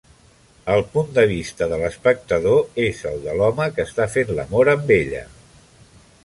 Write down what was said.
El punt de vista de l'espectador és el de l'home que està fent l'amor amb ella.